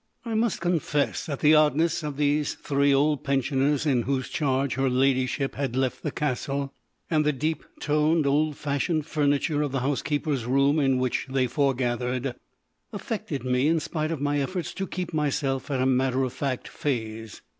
I must confess that the oddness of these three old pensioners in whose charge her ladyship had left the castle, and the deep toned, old fashioned furniture of the housekeeper's room in which they foregathered, affected me in spite of my efforts to keep myself at a matter of fact phase.